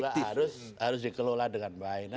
cuma juga harus dikelola dengan baik